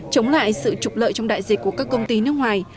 chống lại sự trục lợi trong đại dịch của các công ty nước ngoài